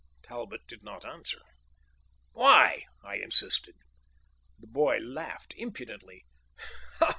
Talbot did not answer. "Why?" I insisted. The boy laughed impudently.